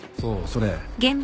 それ。